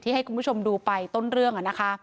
ที่ให้คุณผู้ชมดูไปต้นเรื่อง